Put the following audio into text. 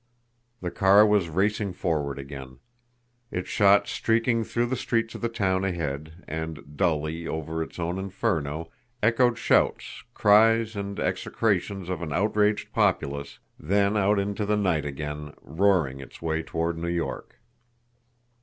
The car was racing forward again. It shot streaking through the streets of the town ahead, and, dully, over its own inferno, echoed shouts, cries, and execrations of an outraged populace then out into the night again, roaring its way toward New York.